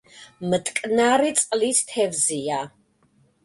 მტკნარი წყლის თევზია.